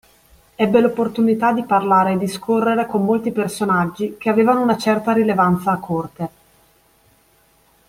Ebbe l'opportunità di parlare e discorrere con molti personaggi che avevano una certa rilevanza a corte.